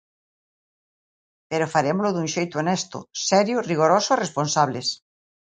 Pero farémolo dun xeito honesto, serio, rigoroso e responsables.